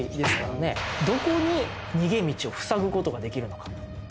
どこに逃げ道を塞ぐ事ができるのか。